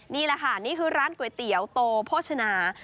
นี่แหละค่ะนี่คือร้านก๋วยเตี๋ยวโตโภชนา